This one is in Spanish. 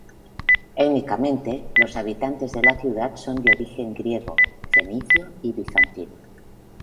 Étnicamente, los habitantes de la ciudad son de origen griego, fenicio y bizantino.